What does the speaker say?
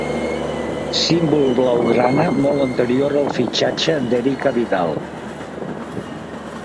Símbol blaugrana molt anterior al fitxatge d'Eric Abidal.